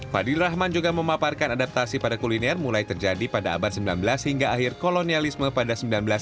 fadli rahman juga memaparkan adaptasi pada kuliner mulai terjadi pada abad sembilan belas hingga akhir kolonialisme pada seribu sembilan ratus sembilan puluh